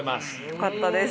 よかったです。